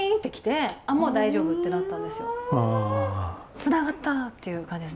つながったっていう感じですね。